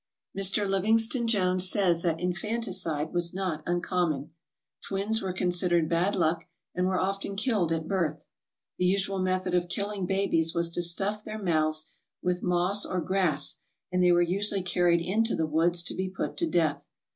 Mr. Livingston Jones says that infanticide was not un common. Twins were considered bad luck and were often killed at birth. The usual method of killing babies was to stuff their mouths with moss or grass, and they were usually carried into the woods to be put to death.